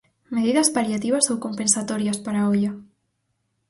¿Medidas paliativas ou compensatorias para Oia?